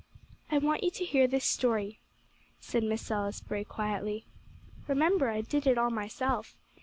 "I want you to hear this story," said Miss Salisbury quietly. "Remember, I did it all myself.